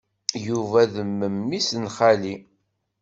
Yuba d memmi-s n xali.